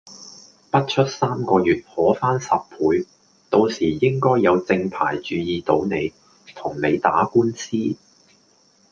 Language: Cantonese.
不出三個月可翻十倍，到時應該有正牌注意到你，同你打官司